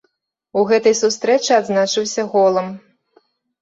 У гэтай сустрэчы адзначыўся голам.